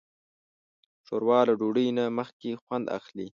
ښوروا له ډوډۍ نه مخکې خوند اخلي.